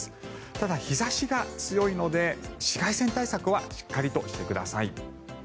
ただ、日差しが強いので紫外線対策はしっかりとしてください。